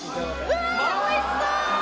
うわおいしそう！